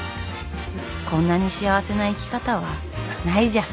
こんなに幸せな生き方はないじゃん。